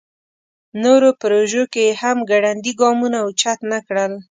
نورو پروژو کې یې هم ګړندي ګامونه اوچت نکړل.